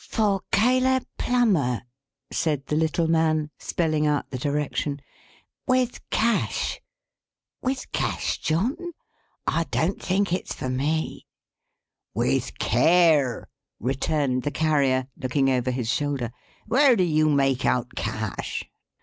"'For Caleb Plummer,'" said the little man, spelling out the direction. "'With Cash.' With Cash John? I don't think it's for me." "With Care," returned the Carrier, looking over his shoulder. "Where do you make out cash?"